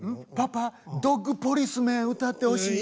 「パパ『ドッグポリスメン』歌ってほしい」。